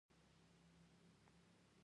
دین درکونو لړۍ ختمېدا نه لري.